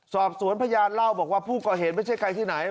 สอบสวนพยานเล่าบอกว่าผู้ก่อเหตุไม่ใช่ใครที่ไหน